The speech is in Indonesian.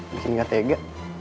bikin gak tega